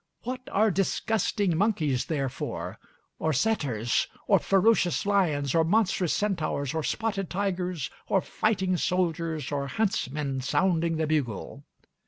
What are disgusting monkeys there for, or satyrs, or ferocious lions, or monstrous centaurs, or spotted tigers, or fighting soldiers, or huntsmen sounding the bugle?